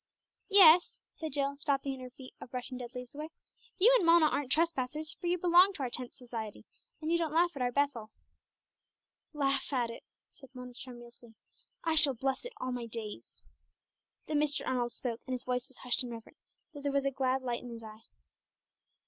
"Yes," said Jill, stopping in her feat of brushing dead leaves away; "you and Mona aren't trespassers, for you belong to our Tenth Society, and you don't laugh at our 'Bethel.'" "Laugh at it?" said Mona tremulously. "I shall bless it all my days!" Then Mr. Arnold spoke, and his voice was hushed and reverent, though there was a glad light in his eye.